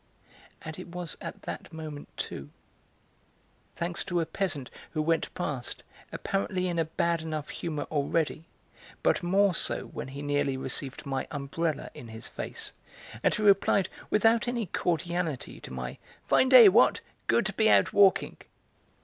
And it was at that moment, too thanks to a peasant who went past, apparently in a bad enough humour already, but more so when he nearly received my umbrella in his face, and who replied without any cordiality to my "Fine day, what! good to be out walking!"